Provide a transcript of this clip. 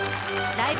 ライブ！